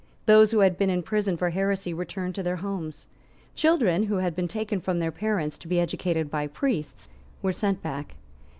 Those who had been in prison for heresy returned to their homes. Children, who had been taken from their parents to be educated by priests, were sent back.